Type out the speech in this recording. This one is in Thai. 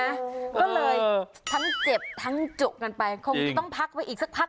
ก็เลยทั้งเจ็บทั้งจุกันไปคงจะต้องพักไว้อีกสักพัก